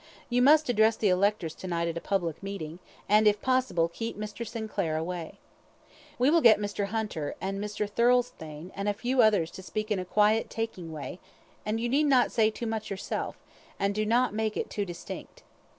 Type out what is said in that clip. You must address the electors tonight at a public meeting, and if possible, keep Mr. Sinclair away. We will get Mr. Hunter, and Mr. Thirlstane, and a few others, to speak in a quiet, taking way, and you need not say too much yourself, and do not make it too distinct.